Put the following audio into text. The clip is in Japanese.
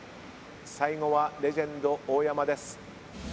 最後はレジェンド大山です。